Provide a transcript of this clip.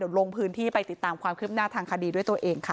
ลงพื้นที่ไปติดตามความคืบหน้าทางคดีด้วยตัวเองค่ะ